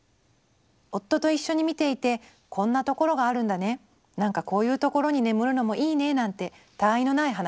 「夫と一緒に見ていて『こんなところがあるんだね何かこういうところに眠るのもいいね』なんてたあいのない話をしました。